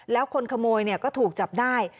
แล้วคนขโมยก็ถูกจับได้